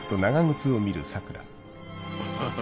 ハハハ